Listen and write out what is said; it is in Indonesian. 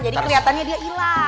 jadi keliatannya dia hilang